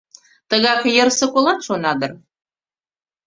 Тыгак ерысе колат шона дыр.